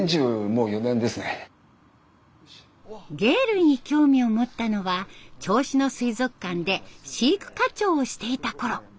鯨類に興味を持ったのは銚子の水族館で飼育課長をしていたころ。